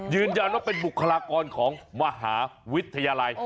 ยืนยันว่าเป็นบุคลากรของมหาวิทยาลัย